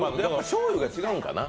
しょうゆが違うんかな？